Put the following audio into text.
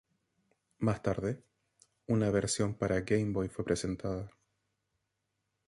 Más tarde, una versión para Game Boy fue presentada.